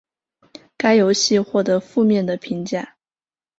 该游戏获得负面的评价。